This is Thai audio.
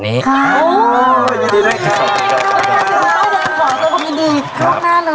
ค่ะขอสวัสดี